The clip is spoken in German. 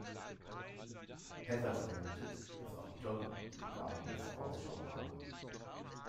Heather vermutet, dass auch John die Begabung der Vorausschau habe.